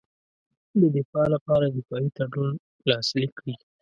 د دفاع لپاره دفاعي تړون لاسلیک کړي.